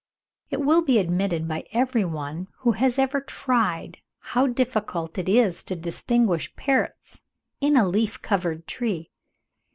It will be admitted by every one, who has ever tried, how difficult it is to distinguish parrots in a leaf covered tree.